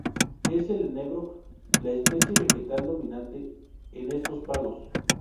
Es el enebro la especie vegetal dominante en estos pagos.